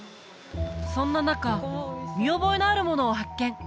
そんな中見覚えのあるものを発見！